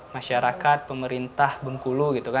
masyarakat pemerintah bengkulu